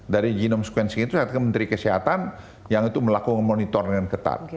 dari genome sequencing itu saat kementeri kesehatan yang itu melakukan monitor dengan ketat